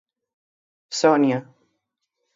Sonia.